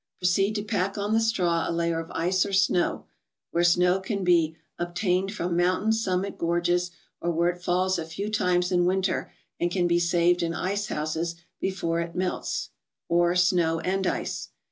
Proceed to pack on the straw a layer of ice or snow (where snow can be " obtained from mountain summit gorges, or where it falls a few times in Winter, and can be saved in ice houses before it melts), or snow and ice.